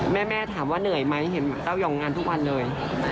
แม่ถามว่าเหนื่อยไหมเห็นเต้ายองงานทุกวันเลย